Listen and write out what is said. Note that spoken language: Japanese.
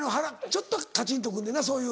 ちょっとカチンとくんねんなそういう。